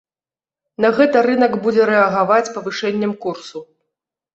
На гэта рынак будзе рэагаваць павышэннем курсу.